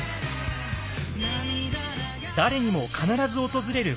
誰にも必ず訪れる更年期。